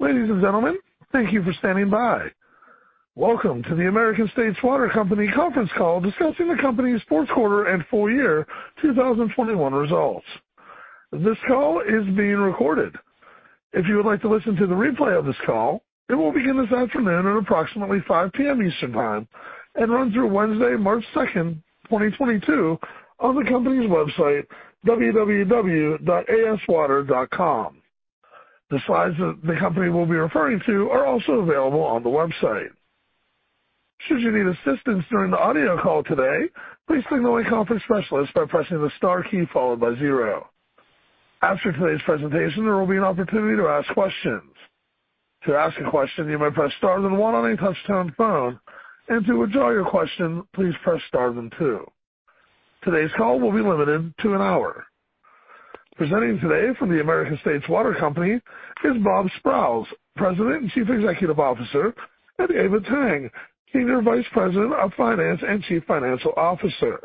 Ladies and gentlemen, thank you for standing by. Welcome to the American States Water Company conference call discussing the company's fourth quarter and full year 2021 results. This call is being recorded. If you would like to listen to the replay of this call, it will begin this afternoon at approximately 5 P.M. Eastern Time and run through Wednesday, March 2nd, 2022 on the company's website, www.aswater.com. The slides that the company will be referring to are also available on the website. Should you need assistance during the audio call today, please signal a conference specialist by pressing the star key followed by zero. After today's presentation, there will be an opportunity to ask questions. To ask a question, you may press star then one on a touch-tone phone, and to withdraw your question, please press star then two. Today's call will be limited to an hour. Presenting today from the American States Water Company is Bob Sprowls, President and Chief Executive Officer, and Eva Tang, Senior Vice President of Finance and Chief Financial Officer.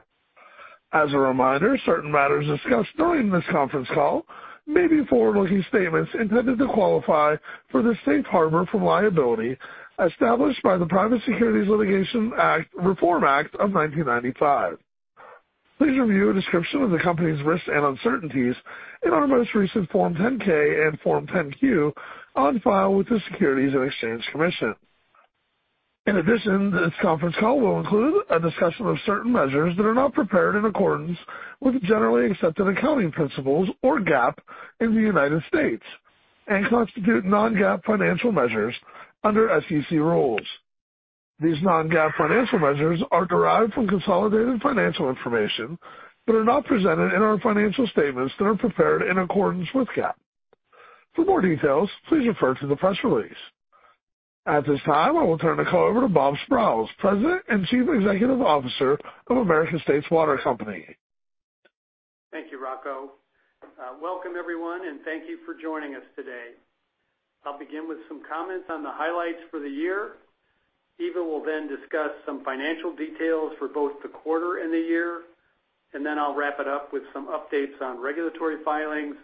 As a reminder, certain matters discussed during this conference call may be forward-looking statements intended to qualify for the safe harbor from liability established by the Private Securities Litigation Reform Act of 1995. Please review a description of the company's risks and uncertainties in our most recent Form 10-K and Form 10-Q on file with the Securities and Exchange Commission. In addition, this conference call will include a discussion of certain measures that are not prepared in accordance with generally accepted accounting principles or GAAP in the United States and constitute non-GAAP financial measures under SEC rules. These non-GAAP financial measures are derived from consolidated financial information that are not presented in our financial statements that are prepared in accordance with GAAP. For more details, please refer to the press release. At this time, I will turn the call over to Bob Sprowls, President and Chief Executive Officer of American States Water Company. Thank you, Rocco. Welcome everyone, and thank you for joining us today. I'll begin with some comments on the highlights for the year. Eva will then discuss some financial details for both the quarter and the year. Then I'll wrap it up with some updates on regulatory filings,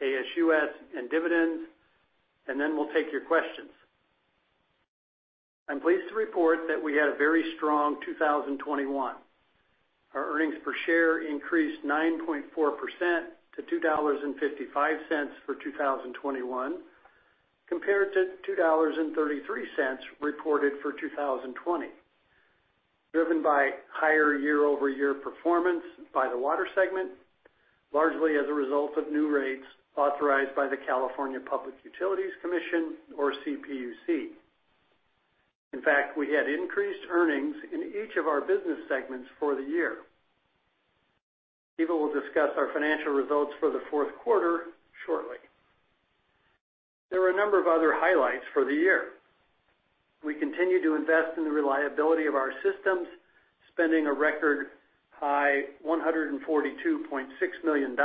ASUS, and dividends. Then we'll take your questions. I'm pleased to report that we had a very strong 2021. Our earnings per share increased 9.4% to $2.55 for 2021, compared to $2.33 reported for 2020, driven by higher year-over-year performance by the water segment, largely as a result of new rates authorized by the California Public Utilities Commission or CPUC. In fact, we had increased earnings in each of our business segments for the year. Eva will discuss our financial results for the fourth quarter shortly. There were a number of other highlights for the year. We continued to invest in the reliability of our systems, spending a record high $142.6 million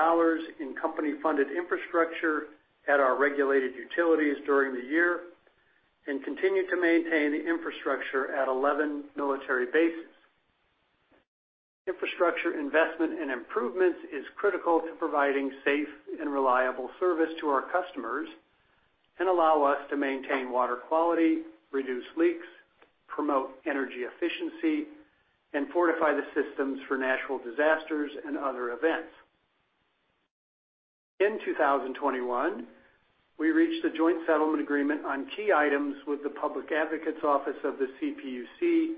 in company-funded infrastructure at our regulated utilities during the year and continued to maintain the infrastructure at 11 military bases. Infrastructure investment and improvements is critical to providing safe and reliable service to our customers and allow us to maintain water quality, reduce leaks, promote energy efficiency, and fortify the systems for natural disasters and other events. In 2021, we reached a joint settlement agreement on key items with the Public Advocates Office of the CPUC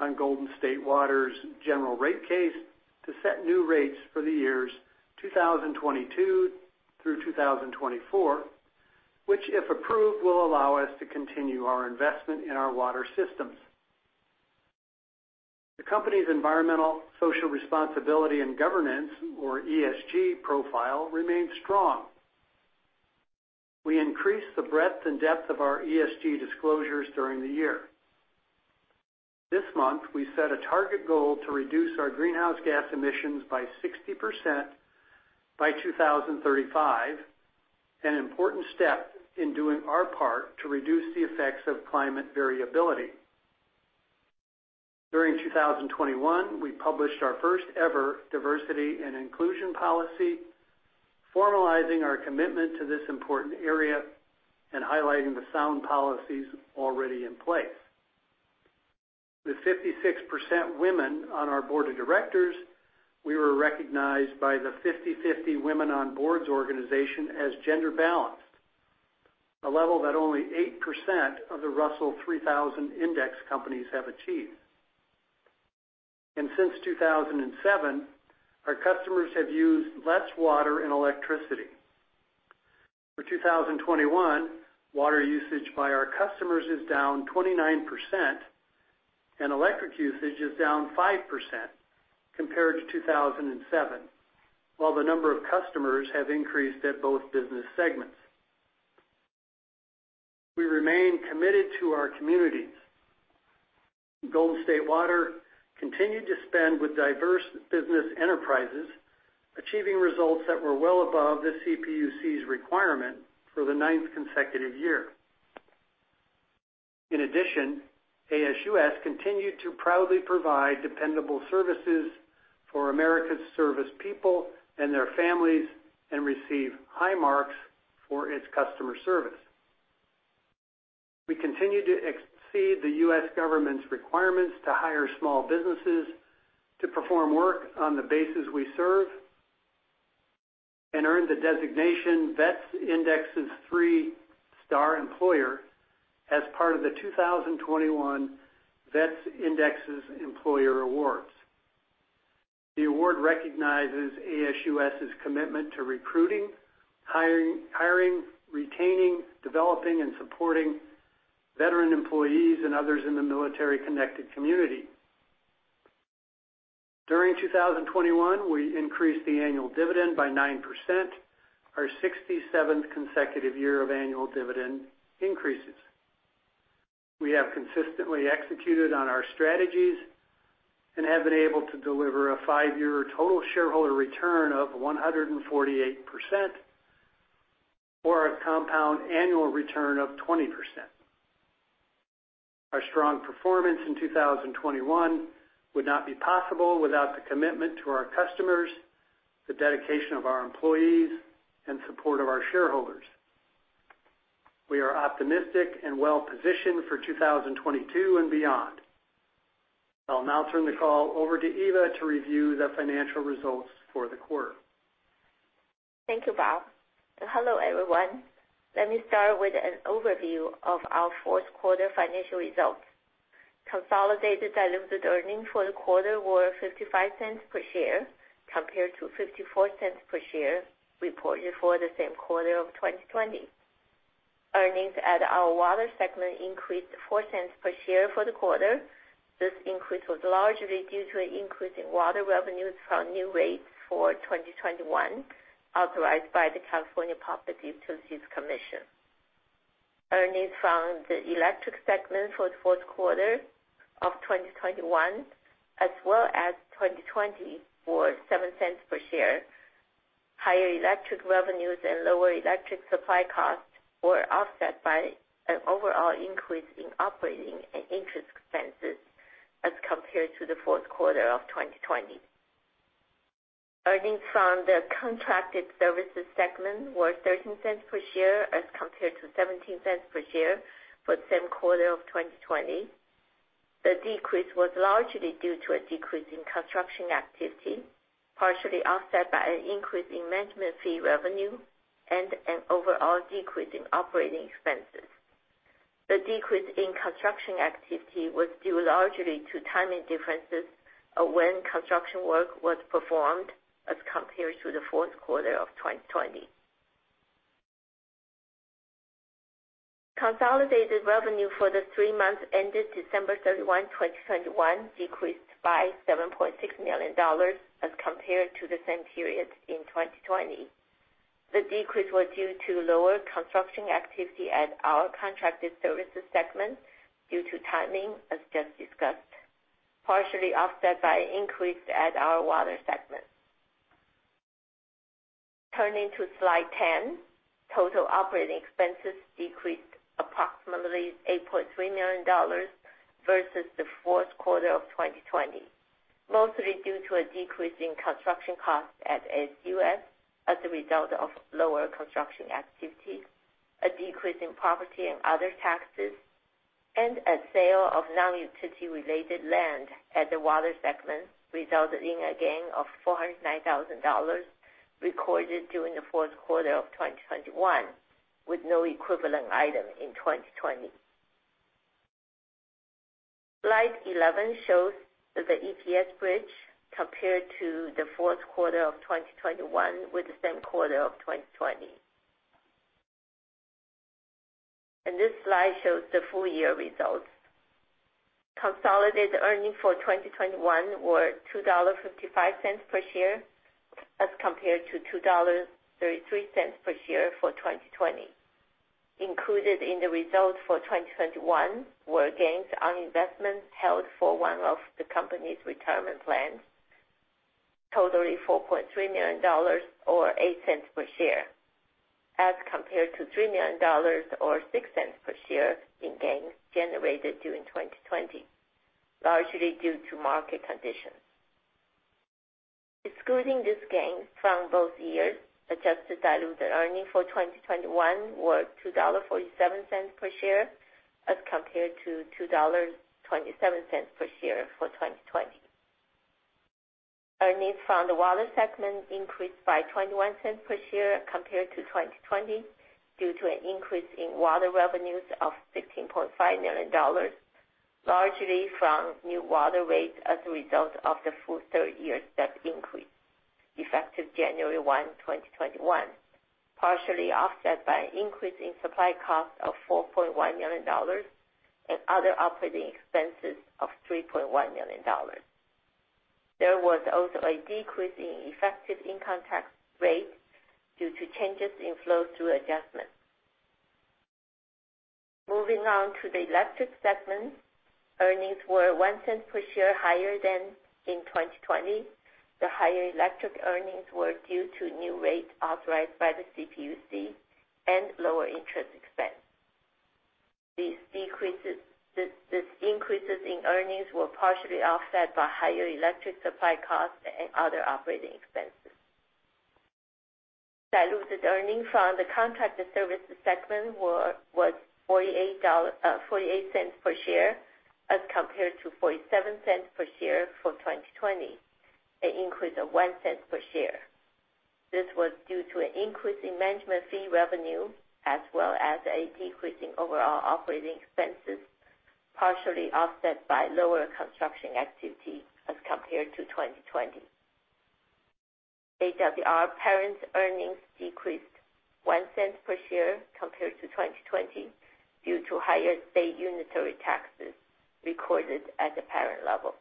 on Golden State Water's general rate case to set new rates for the years 2022 through 2024, which, if approved, will allow us to continue our investment in our water systems. The company's environmental, social responsibility, and governance, or ESG profile, remains strong. We increased the breadth and depth of our ESG disclosures during the year. This month, we set a target goal to reduce our greenhouse gas emissions by 60% by 2035, an important step in doing our part to reduce the effects of climate variability. During 2021, we published our first-ever diversity and inclusion policy, formalizing our commitment to this important area and highlighting the sound policies already in place. With 56% women on our board of directors, we were recognized by the 50/50 Women on Boards organization as gender balanced, a level that only 8% of the Russell 3000 index companies have achieved. Since 2007, our customers have used less water and electricity. For 2021, water usage by our customers is down 29%, and electric usage is down 5% compared to 2007 while the number of customers have increased at both business segments. We remain committed to our communities. Golden State Water continued to spend with diverse business enterprises, achieving results that were well above the CPUC's requirement for the ninth consecutive year. In addition, ASUS continued to proudly provide dependable services for America's service people and their families and receive high marks for its customer service. We continue to exceed the U.S. government's requirements to hire small businesses to perform work on the bases we serve, and earned the designation Vets Indexes Three-Star Employer as part of the 2021 Vets Indexes Employer Awards. The award recognizes ASUS's commitment to recruiting, hiring, retaining, developing, and supporting veteran employees and others in the military-connected community. During 2021, we increased the annual dividend by 9%, our 67th consecutive year of annual dividend increases. We have consistently executed on our strategies and have been able to deliver a five-year total shareholder return of 148% or a compound annual return of 20%. Our strong performance in 2021 would not be possible without the commitment to our customers, the dedication of our employees, and support of our shareholders. We are optimistic and well-positioned for 2022 and beyond. I'll now turn the call over to Eva to review the financial results for the quarter. Thank you, Bob. Hello, everyone. Let me start with an overview of our fourth quarter financial results. Consolidated diluted earnings for the quarter were $0.55 per share, compared to $0.54 per share reported for the same quarter of 2020. Earnings at our water segment increased $0.04 per share for the quarter. This increase was largely due to an increase in water revenues from new rates for 2021, authorized by the California Public Utilities Commission. Earnings from the electric segment for the fourth quarter of 2021, as well as 2020, were $0.07 per share. Higher electric revenues and lower electric supply costs were offset by an overall increase in operating and interest expenses as compared to the fourth quarter of 2020. Earnings from the contracted services segment were $0.13 per share, as compared to $0.17 per share for the same quarter of 2020. The decrease was largely due to a decrease in construction activity, partially offset by an increase in management fee revenue and an overall decrease in operating expenses. The decrease in construction activity was due largely to timing differences of when construction work was performed as compared to the fourth quarter of 2020. Consolidated revenue for the three months ended December 31, 2021 decreased by $7.6 million as compared to the same period in 2020. The decrease was due to lower construction activity at our contracted services segment due to timing, as just discussed, partially offset by increase at our water segment. Turning to slide 10. Total operating expenses decreased approximately $8.3 million versus the fourth quarter of 2020, mostly due to a decrease in construction costs at ASUS as a result of lower construction activity, a decrease in property and other taxes, and a sale of non-utility related land at the water segment, resulting in a gain of $409,000 recorded during the fourth quarter of 2021, with no equivalent item in 2020. Slide 11 shows the EPS bridge compared to the fourth quarter of 2021 with the same quarter of 2020. This slide shows the full year results. Consolidated earnings for 2021 were $2.55 per share as compared to $2.33 per share for 2020. Included in the results for 2021 were gains on investments held for one of the company's retirement plans totaling $4.3 million or $0.08 per share, as compared to $3 million or $0.06 per share in gains generated during 2020, largely due to market conditions. Excluding this gain from both years, adjusted diluted earnings for 2021 were $2.47 per share, as compared to $2.27 per share for 2020. Earnings from the water segment increased by $0.21 per share compared to 2020 due to an increase in water revenues of $16.5 million, largely from new water rates as a result of the full third-year step increase effective January 1, 2021, partially offset by an increase in supply costs of $4.1 million and other operating expenses of $3.1 million. There was also a decrease in effective income tax rate due to changes in flow-through adjustments. Moving on to the electric segment. Earnings were $0.01 per share higher than in 2020. The higher electric earnings were due to new rate authorized by the CPUC and lower interest expense. These increases in earnings were partially offset by higher electric supply costs and other operating expenses. Diluted earnings from the contracted services segment was $0.48 per share as compared to $0.47 per share for 2020, an increase of $0.01 per share. This was due to an increase in management fee revenue as well as a decrease in overall operating expenses, partially offset by lower construction activity as compared to 2020. AWR parent earnings decreased $0.01 per share compared to 2020 due to higher state unitary taxes recorded at the parent level.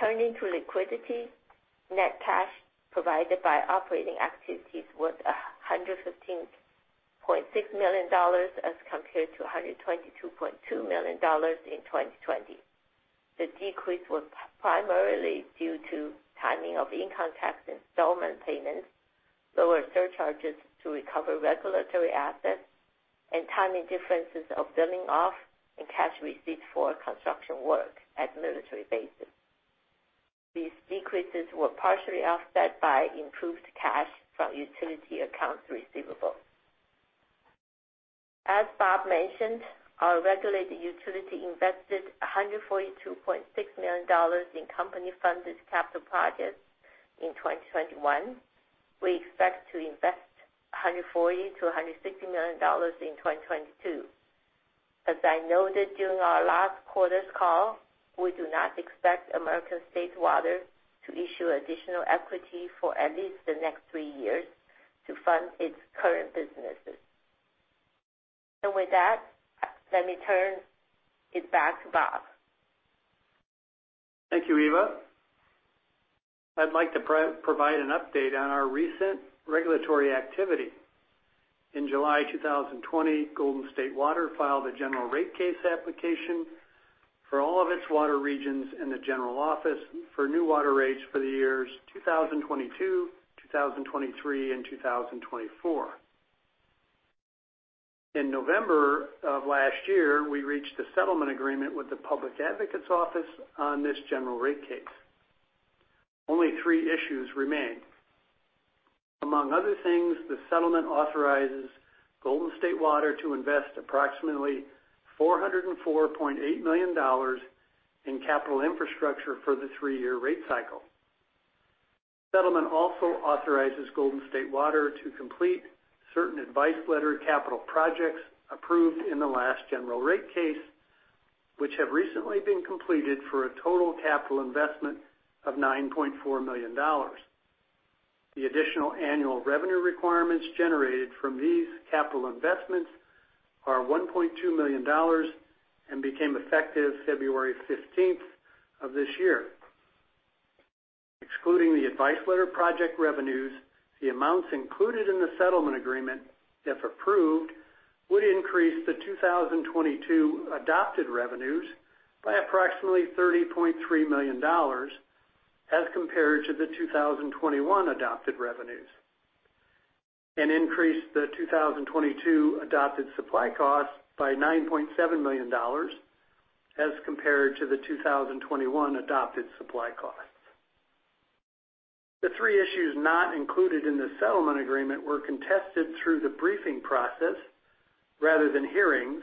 Turning to liquidity, net cash provided by operating activities was $115.6 million as compared to $122.2 million in 2020. The decrease was primarily due to timing of income tax installment payments, lower surcharges to recover regulatory assets, and timing differences of billing off and cash receipts for construction work at military bases. These decreases were partially offset by improved cash from utility accounts receivable. As Bob mentioned, our regulated utility invested $142.6 million in company-funded capital projects in 2021. We expect to invest $140 million-$160 million in 2022. As I noted during our last quarter's call, we do not expect American States Water to issue additional equity for at least the next 3 years to fund its current businesses. With that, let me turn it back to Bob. Thank you, Eva. I'd like to provide an update on our recent regulatory activity. In July 2020, Golden State Water filed a general rate case application for all of its water regions and the general office for new water rates for the years 2022, 2023, and 2024. In November of last year, we reached a settlement agreement with the Public Advocates Office on this general rate case. Only three issues remain. Among other things, the settlement authorizes Golden State Water to invest approximately $404.8 million in capital infrastructure for the three-year rate cycle. The settlement also authorizes Golden State Water to complete certain advice letter capital projects approved in the last general rate case, which have recently been completed for a total capital investment of $9.4 million. The additional annual revenue requirements generated from these capital investments are $1.2 million and became effective February 15th, of this year. Excluding the advice letter project revenues, the amounts included in the settlement agreement, if approved, would increase the 2022 adopted revenues by approximately $30.3 million as compared to the 2021 adopted revenues, and increase the 2022 adopted supply costs by $9.7 million as compared to the 2021 adopted supply costs. The three issues not included in the settlement agreement were contested through the briefing process rather than hearings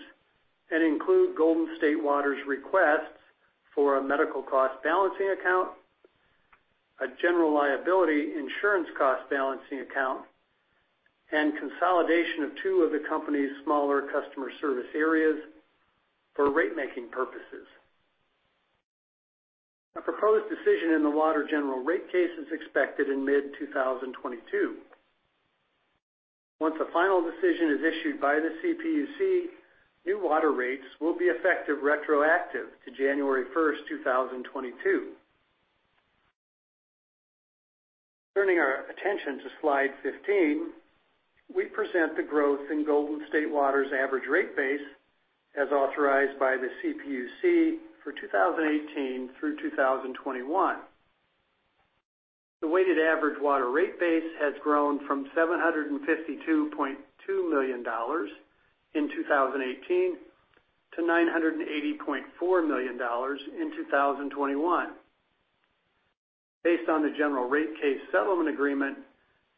and include Golden State Water's requests for a medical cost balancing account, a general liability insurance cost balancing account, and consolidation of two of the company's smaller customer service areas for rate-making purposes. A proposed decision in the water general rate case is expected in mid-2022. Once a final decision is issued by the CPUC, new water rates will be effective retroactive to January 1st, 2022. Turning our attention to slide 15, we present the growth in Golden State Water's average rate base as authorized by the CPUC for 2018 through 2021. The weighted average water rate base has grown from $752.2 million in 2018 to $980.4 million in 2021. Based on the general rate case settlement agreement,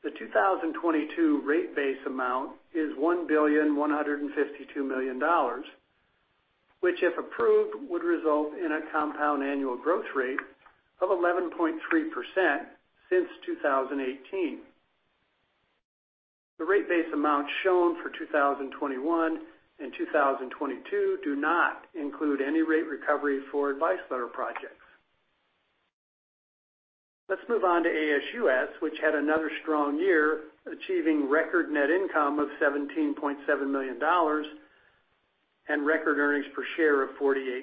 the 2022 rate base amount is $1.152 billion, which, if approved, would result in a compound annual growth rate of 11.3% since 2018. The rate base amount shown for 2021 and 2022 do not include any rate recovery for advice letter projects. Let's move on to ASUS, which had another strong year, achieving record net income of $17.7 million and record earnings per share of $0.48.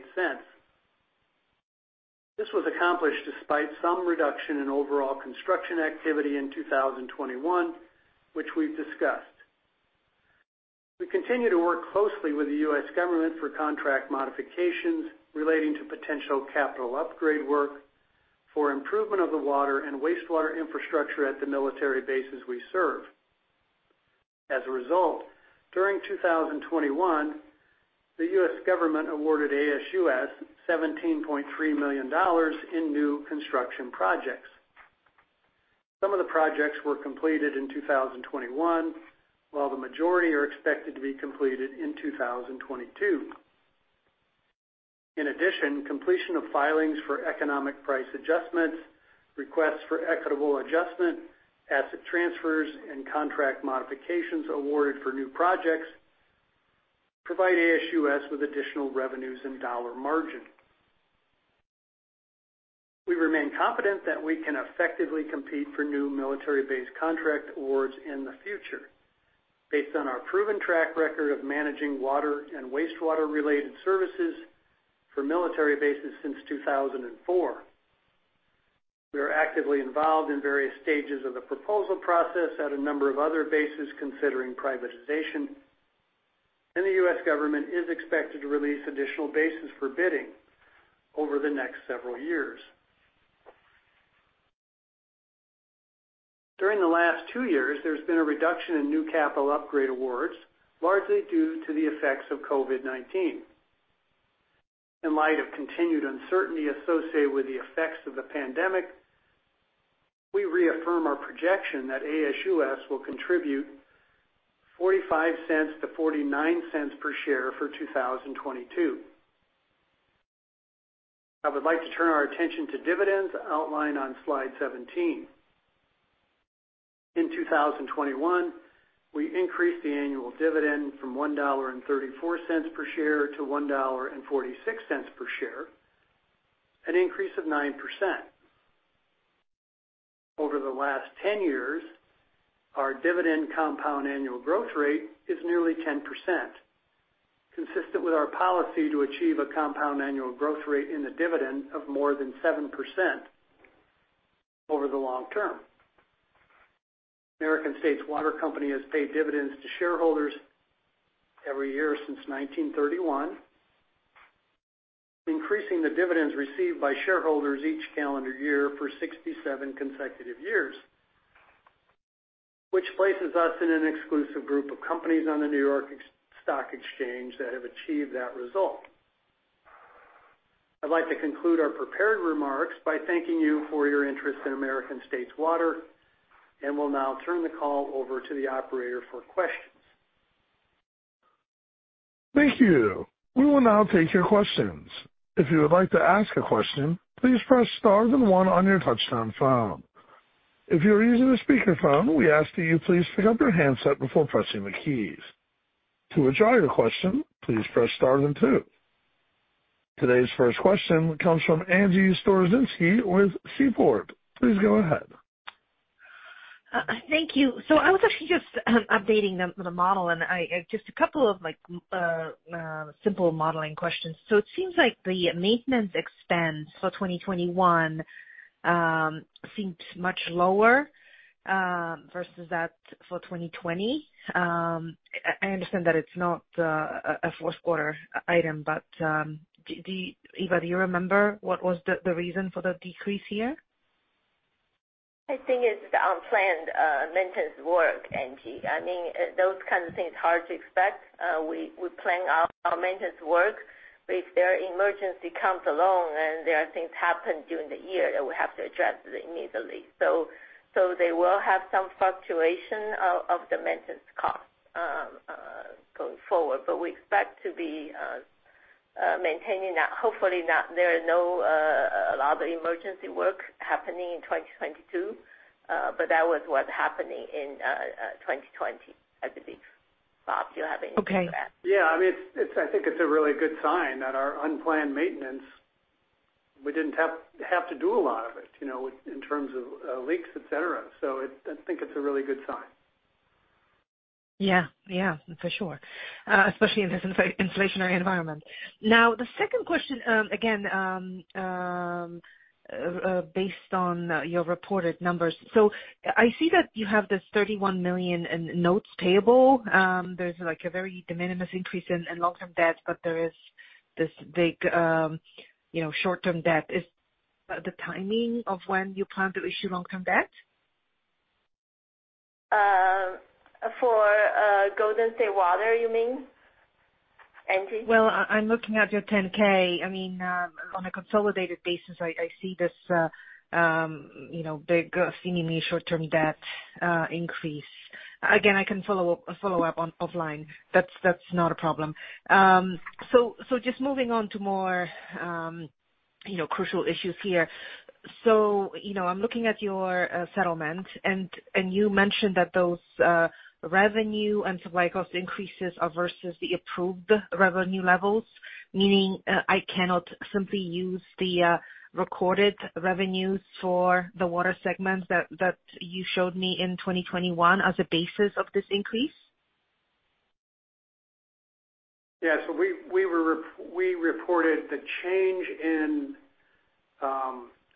This was accomplished despite some reduction in overall construction activity in 2021, which we've discussed. We continue to work closely with the U.S. government for contract modifications relating to potential capital upgrade work for improvement of the water and wastewater infrastructure at the military bases we serve. As a result, during 2021, the U.S. government awarded ASUS $17.3 million in new construction projects. Some of the projects were completed in 2021, while the majority are expected to be completed in 2022. In addition, completion of filings for economic price adjustments, requests for equitable adjustment, asset transfers, and contract modifications awarded for new projects provide ASUS with additional revenues and dollar margin. We remain confident that we can effectively compete for new military-based contract awards in the future based on our proven track record of managing water and wastewater-related services for military bases since 2004. We are actively involved in various stages of the proposal process at a number of other bases considering privatization. The U.S. government is expected to release additional bases for bidding over the next several years. During the last two years, there's been a reduction in new capital upgrade awards, largely due to the effects of COVID-19. In light of continued uncertainty associated with the effects of the pandemic, we reaffirm our projection that ASUS will contribute $0.45-$0.49 per share for 2022. I would like to turn our attention to dividends outlined on slide 17. In 2021, we increased the annual dividend from $1.34 per share to $1.46 per share, an increase of 9%. Over the last 10 years, our dividend compound annual growth rate is nearly 10%, consistent with our policy to achieve a compound annual growth rate in the dividend of more than 7% over the long-term. American States Water Company has paid dividends to shareholders every year since 1931, increasing the dividends received by shareholders each calendar year for 67 consecutive years, which places us in an exclusive group of companies on the New York Stock Exchange that have achieved that result. I'd like to conclude our prepared remarks by thanking you for your interest in American States Water, and will now turn the call over to the operator for questions. Thank you. We will now take your questions. If you would like to ask a question, please press star then one on your touchtone phone. If you are using a speakerphone, we ask that you please pick up your handset before pressing the keys. To withdraw your question, please press star then two. Today's first question comes from Angie Storozynski with Seaport. Please go ahead. Thank you. I was actually just updating the model, and I just a couple of like simple modeling questions. It seems like the maintenance expense for 2021 seems much lower versus that for 2020. I understand that it's not a fourth quarter item, but Eva, do you remember what was the reason for the decrease here? I think it's the unplanned maintenance work, Angie. I mean, those kinds of things are hard to expect. We plan our maintenance work, but if there are emergency comes along and there are things happen during the year that we have to address it immediately. They will have some fluctuation of the maintenance cost going forward. We expect to be maintaining that. Hopefully not. There are no a lot of emergency work happening in 2022. That was what's happening in 2020 at the beach. Bob, do you have anything to add? Yeah. I mean, it's a really good sign that our unplanned maintenance, we didn't have to do a lot of it, you know, in terms of leaks, et cetera. I think it's a really good sign. Yeah, for sure, especially in this inflationary environment. Now, the second question, again, based on your reported numbers. I see that you have this $31 million in notes payable. There's like a very de minimis increase in long-term debt, but there is this big, you know, short-term debt. Is the timing of when you plan to issue long-term debt? Golden State Water, you mean, Angie? Well, I'm looking at your 10-K. I mean, on a consolidated basis, I see this, you know, big seemingly short-term debt increase. Again, I can follow up offline. That's not a problem. Just moving on to more, you know, crucial issues here. You know, I'm looking at your settlement, and you mentioned that those revenue and supply cost increases are versus the approved revenue levels, meaning I cannot simply use the recorded revenues for the water segments that you showed me in 2021 as a basis of this increase? Yes. We reported the change in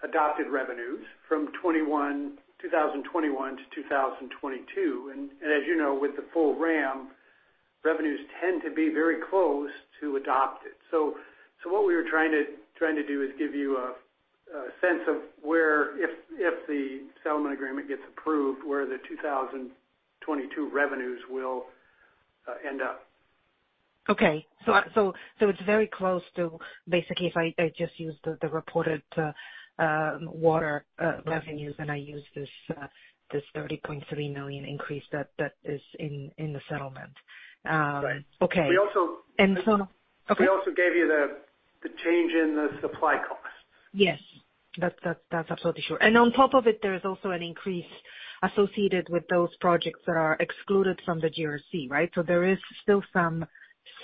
adopted revenues from 2021 to 2022. As you know, with the full RAM, revenues tend to be very close to adopted. What we were trying to do is give you a sense of where, if the settlement agreement gets approved, the 2022 revenues will end up. Okay. It's very close to basically if I just use the reported water revenues, and I use this $30.3 million increase that is in the settlement. Right. We also gave you the change in the supply cost. Yes. That's absolutely sure. On top of it, there is also an increase associated with those projects that are excluded from the GRC, right? There is still some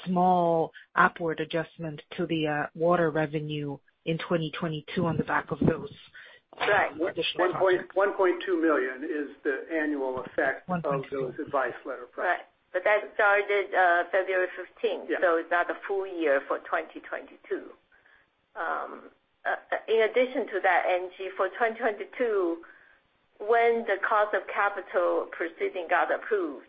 small upward adjustment to the water revenue in 2022 on the back of those additional projects. Right. $1.12 million is the annual effect of those advice letter projects. Right. That started February 15th. It's not a full year for 2022. In addition to that, Angie, for 2022, when the cost of capital proceeding got approved,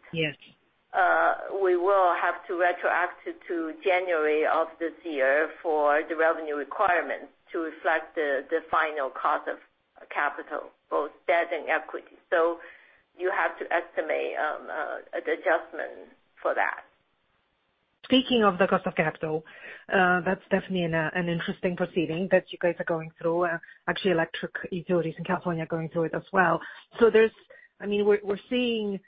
we will have to retroactive to January of this year for the revenue requirements to reflect the final cost of capital, both debt and equity. You have to estimate an adjustment for that. Speaking of the cost of capital, that's definitely an interesting proceeding that you guys are going through. Actually, electric utilities in California are going through it as well. We're seeing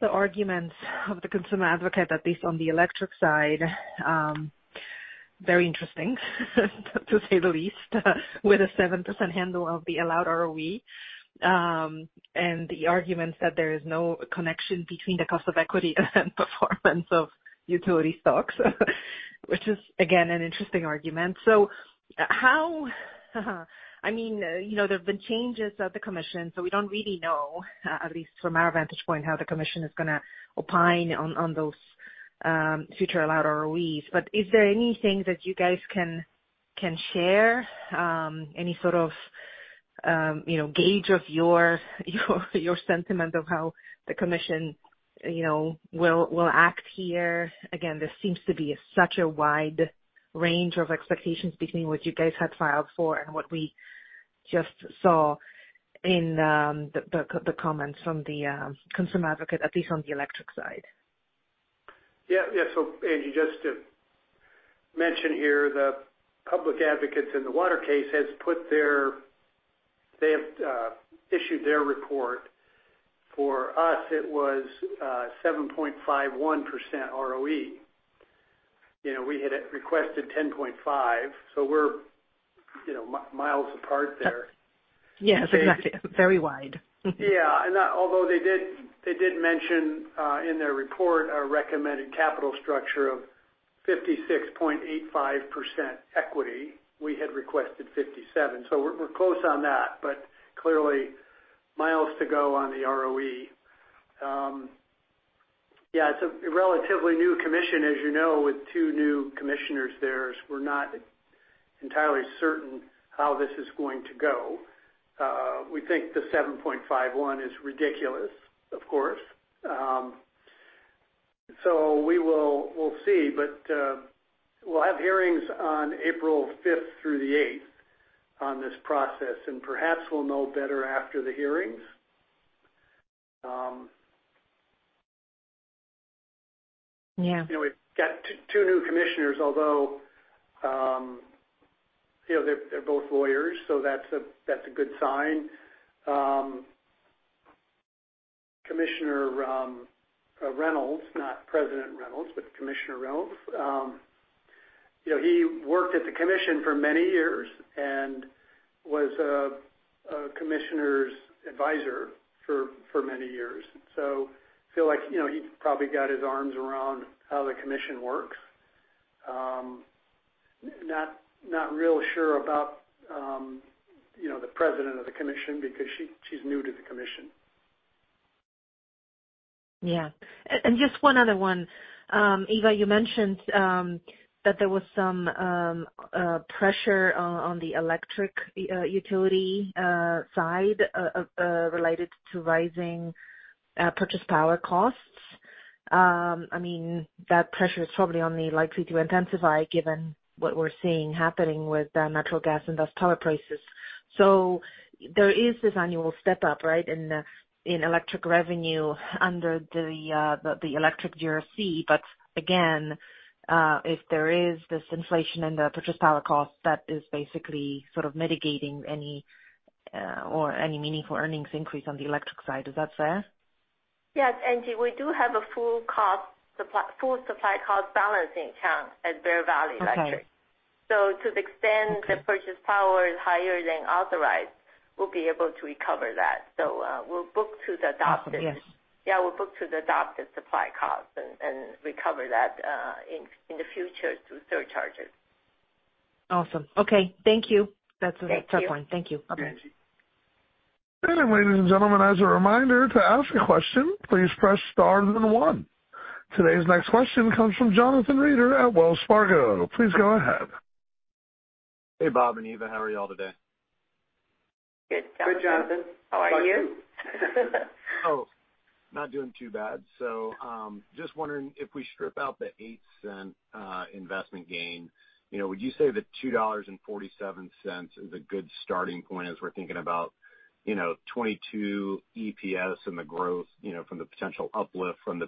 the arguments of the consumer advocate, at least on the electric side, very interesting to say the least, with a 7% handle on the allowed ROE. The argument that there is no connection between the cost of equity and performance of utility stocks, which is again an interesting argument. You know, there have been changes at the commission, so we don't really know, at least from our vantage point, how the commission is going to opine on those future allowed ROEs. Is there anything that you guys can share, any sort of, you know, gauge of your sentiment of how the commission, you know, will act here? Again, this seems to be such a wide range of expectations between what you guys had filed for and what we just saw in the comments from the consumer advocate, at least on the electric side. Angie, just to mention here, the Public Advocates Office in the water case has issued their report. For us it was 7.51% ROE. You know, we had requested 10.5, so we're, you know, miles apart there. Yes, exactly. Very wide. Yeah. Although they did mention in their report a recommended capital structure of 56.85% equity. We had requested 57%, so we're close on that, but clearly miles to go on the ROE. Yeah, it's a relatively new commission, as you know, with two new commissioners there, so we're not entirely certain how this is going to go. We think the 7.51% is ridiculous, of course. So we'll see. But we'll have hearings on April 5th through 8th on this process, and perhaps we'll know better after the hearings. You know, we've got two new commissioners, although, you know, they're both lawyers, so that's a good sign. Commissioner Reynolds, you know, he worked at the commission for many years and was a commissioner's advisor for many years. I feel like, you know, he's probably got his arms around how the commission works. Not real sure about, you know, the president of the commission because she's new to the commission. Yeah. Just one other one. Eva, you mentioned that there was some pressure on the electric utility side related to rising purchased power costs. I mean, that pressure is probably only likely to intensify given what we're seeing happening with natural gas and thus power prices. There is this annual step up, right, in electric revenue under the electric GRC. Again, if there is this inflation in the purchased power cost, that is basically sort of mitigating any meaningful earnings increase on the electric side. Is that fair? Yes, Angie. We do have a full supply cost balancing account at Bear Valley Electric to the extent the purchased power is higher than authorized, we'll be able to recover that. Yeah, we'll book to the adopted supply cost and recover that in the future through surcharges. Awesome. Okay. Thank you. Thank you. That's a fair point. Thank you. Bye-bye. Ladies and gentlemen, as a reminder, to ask a question, please press star, then one. Today's next question comes from Jonathan Reeder at Wells Fargo. Please go ahead. Hey, Bob and Eva. How are y'all today? Good, Jonathan. Good, Jonathan. How are you? Not doing too bad. Just wondering if we strip out the $0.08 investment gain, you know, would you say the $2.47 is a good starting point as we're thinking about, you know, 2022 EPS and the growth, you know, from the potential uplift from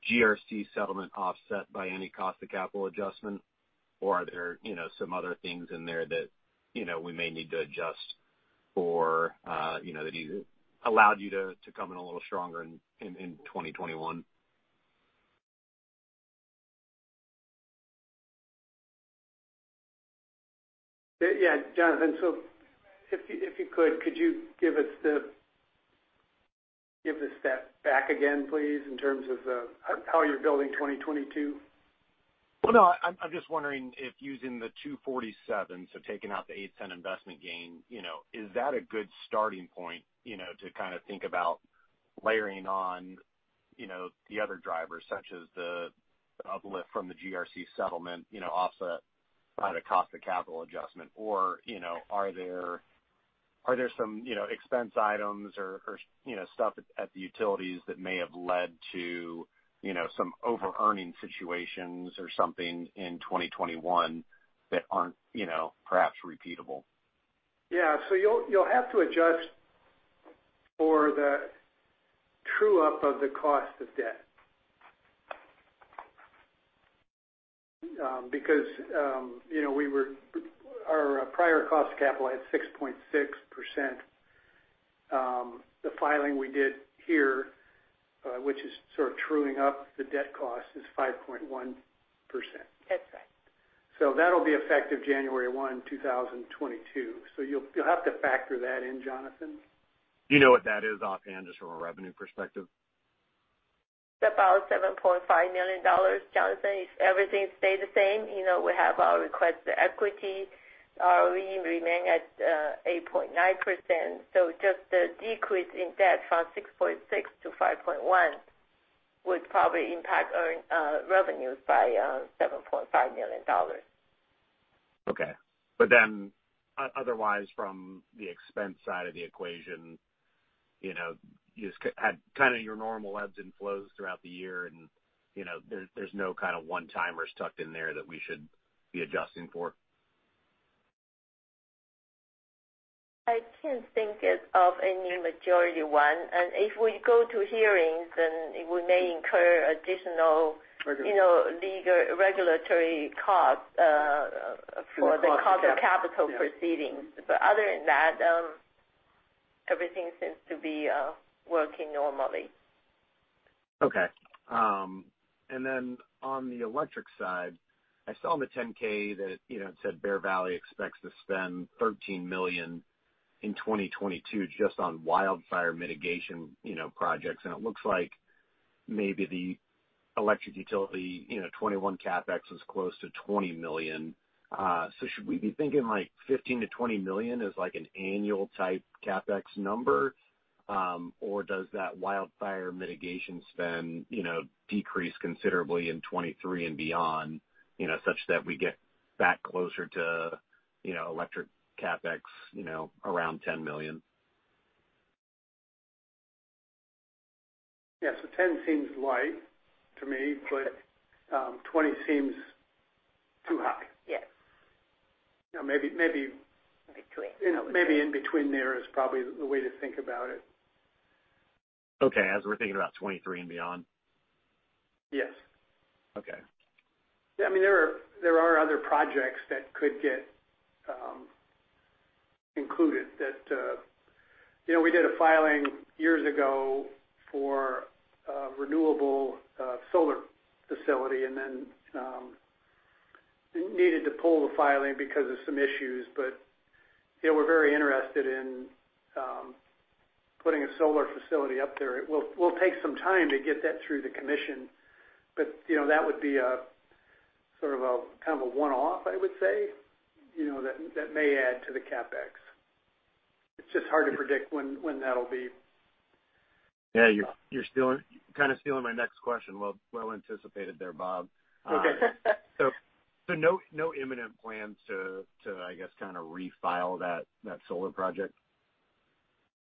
the pending GRC settlement offset by any cost to capital adjustment? Are there, you know, some other things in there that, you know, we may need to adjust for, you know, that allowed you to come in a little stronger in 2021? Yeah. Jonathan, if you could give the step back again, please, in terms of how you're building 2022? Well, no, I'm just wondering if using the $2.47, so taking out the $0.08 investment gain, you know, is that a good starting point, you know, to kind of think about layering on, you know, the other drivers such as the uplift from the GRC settlement, you know, offset by the cost of capital adjustment or, you know, are there some, you know, expense items or you know, stuff at the utilities that may have led to, you know, some overearning situations or something in 2021 that aren't, you know, perhaps repeatable? You'll have to adjust for the true up of the cost of debt, because you know, our prior cost of capital had 6.6%. The filing we did here, which is sort of truing up the debt cost, is 5.1%. That's right. That'll be effective January 1, 2022. You'll have to factor that in, Jonathan. Do you know what that is offhand, just from a revenue perspective? It's about $7.5 million, Jonathan. If everything stay the same, you know, we have our requested equity, we remain at 8.9%. Just the decrease in debt from 6.6% to 5.1% would probably impact revenues by $7.5 million. Okay. Otherwise from the expense side of the equation, you know, you just had kind of your normal ebbs and flows throughout the year and, you know, there's no kind of one-timers tucked in there that we should be adjusting for? I can't think of any majority one. If we go to hearings, then we may incur additional you know, legal regulatory costs for the cost of capital proceedings. Other than that, everything seems to be working normally. Okay. Then on the electric side, I saw in the 10-K that, you know, it said Bear Valley expects to spend $13 million in 2022 just on wildfire mitigation, you know, projects. It looks like maybe the electric utility, you know, 2021 CapEx is close to $20 million. Should we be thinking like $15 million-$20 million as like an annual type CapEx number? Does that wildfire mitigation spend, you know, decrease considerably in 2023 and beyond, you know, such that we get back closer to, you know, electric CapEx, you know, around $10 million? Yeah. $10 million seems light to me, but $20 million seems too high. Maybe in between there is probably the way to think about it. Okay. As we're thinking about 2023 and beyond? Yes. Okay. Yeah. I mean, there are other projects that could get included that. You know, we did a filing years ago for a renewable solar facility and then needed to pull the filing because of some issues. You know, we're very interested in putting a solar facility up there. It will take some time to get that through the commission, but you know, that would be a sort of a kind of a one-off, I would say. You know, that may add to the CapEx. It's just hard to predict when that'll be. Yeah. You're stealing, kind of stealing my next question. Well anticipated there, Bob. Okay. No imminent plans to, I guess, kind of refile that solar project?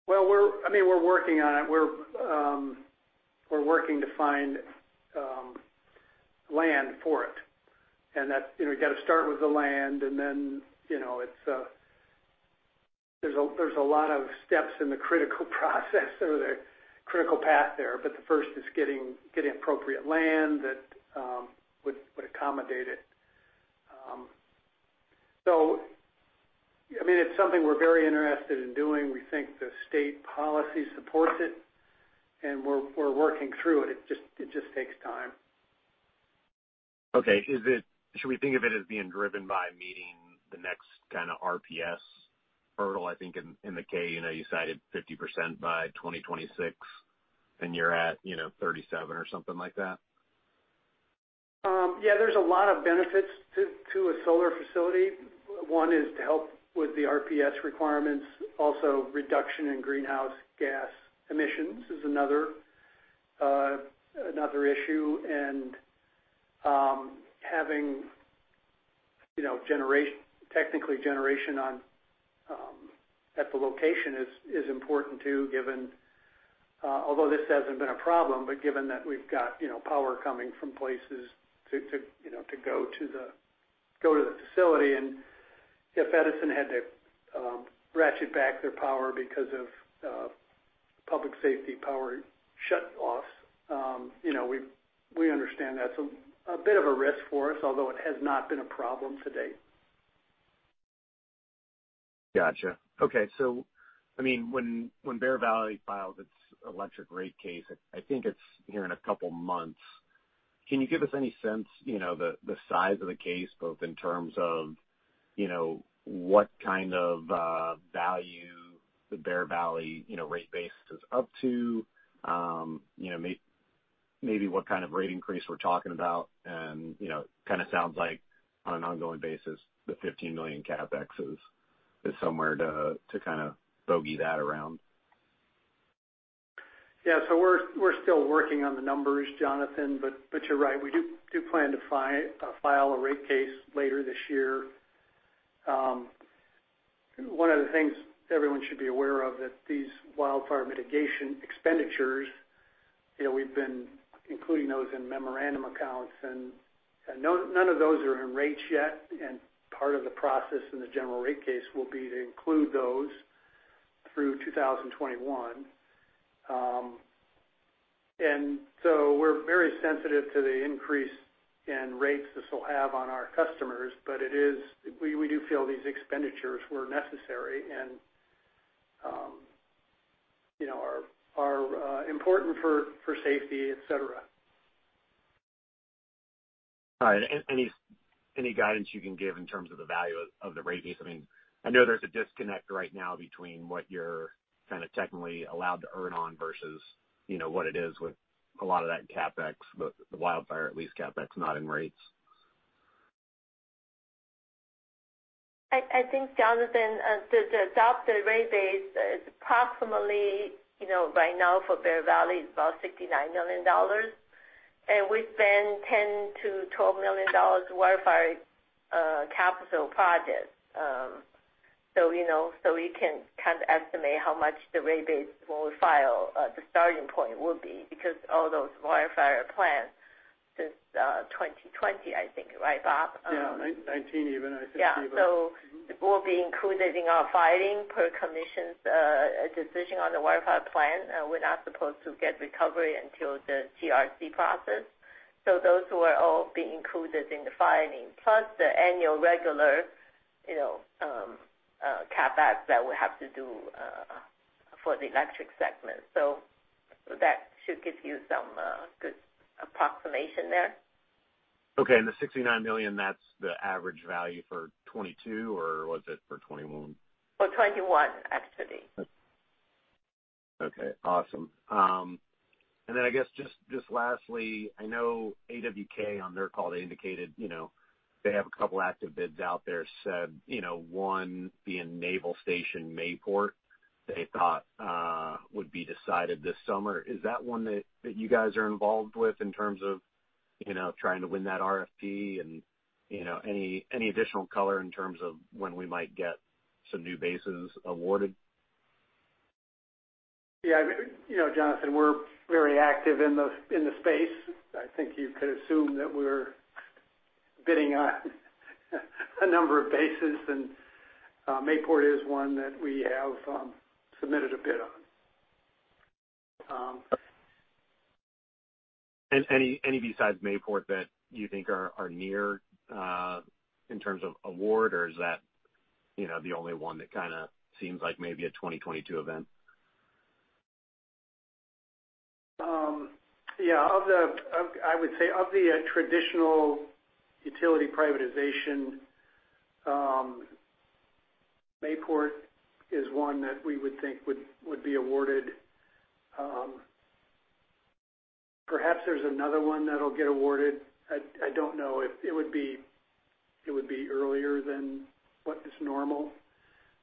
Well, I mean, we're working on it. We're working to find land for it. That's, you know, we got to start with the land and then, you know, there's a lot of steps in the critical process or the critical path there. The first is getting appropriate land that would accommodate it. I mean, it's something we're very interested in doing. We think the state policy supports it, and we're working through it. It just takes time. Okay. Should we think of it as being driven by meeting the next kind of RPS hurdle? I think in the K, you know, you cited 50% by 2026, and you're at, you know, 37% or something like that. Yeah, there's a lot of benefits to a solar facility. One is to help with the RPS requirements. Also, reduction in greenhouse gas emissions is another issue. Having you know generation technically on at the location is important too, given although this hasn't been a problem, but given that we've got you know power coming from places to go to the facility. If Edison had to ratchet back their power because of public safety power shutoffs, you know we understand that's a bit of a risk for us, although it has not been a problem to date. Got you. Okay. I mean, when Bear Valley filed its electric rate case, I think it's here in a couple months. Can you give us any sense, you know, the size of the case, both in terms of, you know, what kind of value the Bear Valley, you know, rate base is up to? You know, maybe what kind of rate increase we're talking about? You know, it kind of sounds like on an ongoing basis, the $15 million CapEx is somewhere to kind of bogey that around. We're still working on the numbers, Jonathan. You're right, we plan to file a rate case later this year. One of the things everyone should be aware of that these wildfire mitigation expenditures, you know, we've been including those in memorandum accounts, and none of those are in rates yet. Part of the process in the general rate case will be to include those through 2021. We're very sensitive to the increase in rates this will have on our customers. We do feel these expenditures were necessary and, you know, are important for safety, etc. All right. Any guidance you can give in terms of the value of the rate base? I mean, I know there's a disconnect right now between what you're kind of technically allowed to earn on versus, you know, what it is with a lot of that CapEx, the wildfire, at least CapEx, not in rates. I think, Jonathan, the adopted rate base is approximately, you know, right now for Bear Valley is about $69 million. We spend $10 million-$12 million wildfire capital projects. You know, we can kind of estimate how much the rate base when we file the starting point will be. Because all those wildfire plans since 2020, I think, right, Bob? Yeah. 2019 even, I think. Yeah. It will be included in our filing per Commission's decision on the wildfire plan. We're not supposed to get recovery until the GRC process. Those will all be included in the filing. Plus the annual regular, you know, CapEx that we have to do for the electric segment. That should give you some good approximation there. Okay. The $69 million, that's the average value for 2022, or was it for 2021? For 2021, actually. Okay, awesome. I guess just lastly, I know AWK on their call, they indicated, you know, they have a couple active bids out there, said, you know, one being Naval Station Mayport, they thought would be decided this summer. Is that one that you guys are involved with in terms of, you know, trying to win that RFP? You know, any additional color in terms of when we might get some new bases awarded? Yeah. You know, Jonathan, we're very active in the space. I think you could assume that we're bidding on a number of bases. Mayport is one that we have submitted a bid on. Any besides Mayport that you think are near in terms of award, or is that, you know, the only one that kind of seems like maybe a 2022 event? I would say of the traditional utility privatization, Mayport is one that we would think would be awarded. Perhaps there's another one that'll get awarded. I don't know if it would be earlier than what is normal.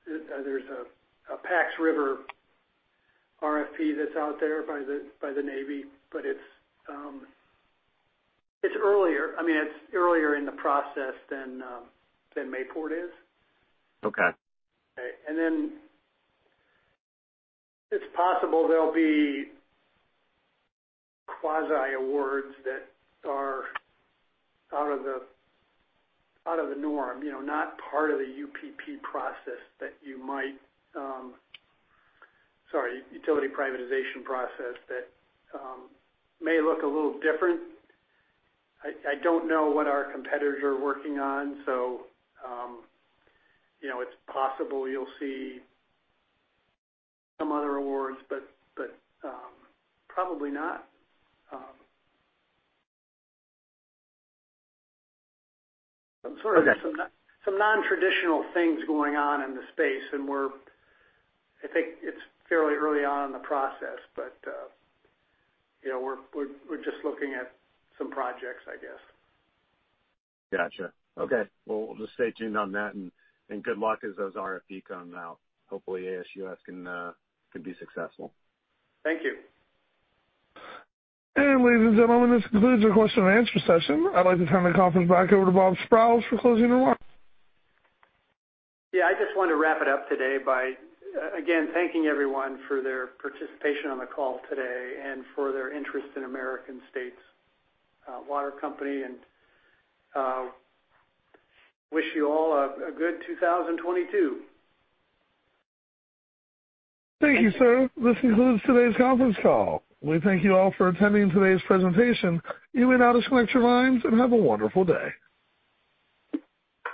There's a Pax River RFP that's out there by the Navy, but it's earlier. I mean, it's earlier in the process than Mayport is. It's possible there'll be quasi awards that are out of the norm. You know, not part of the utility privatization process that may look a little different. I don't know what our competitors are working on, so you know, it's possible you'll see some other awards, but probably not. Some non-traditional things going on in the space and we're. I think it's fairly early on in the process, but, you know, we're just looking at some projects, I guess. Got you. Okay. Well, we'll just stay tuned on that and good luck as those RFP come out. Hopefully, ASUS can be successful. Thank you. Ladies and gentlemen, this concludes our question-and-answer session. I'd like to turn the conference back over to Bob Sprowls for closing remarks. Yeah. I just want to wrap it up today by again thanking everyone for their participation on the call today and for their interest in American States Water Company. Wish you all a good 2022. Thank you, sir. This concludes today's conference call. We thank you all for attending today's presentation. You may now disconnect your lines and have a wonderful day.